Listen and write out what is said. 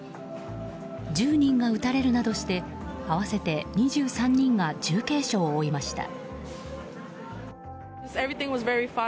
１０人が撃たれるなどして合わせて２３人が重軽傷を負いました。